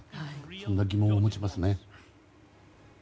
そんな疑問を持ちますね。